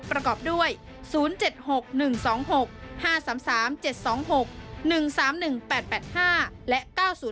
ประกอบด้วย๐๗๖๑๒๖๕๓๓๗๒๖๑๓๑๘๘๕และ๙๐